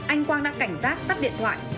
anh quang đã cảnh sát tắt điện thoại